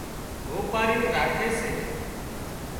هوپارِيُون راکي سي